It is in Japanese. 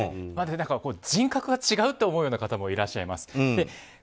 人格が違うと思うような方もいらっしゃいます。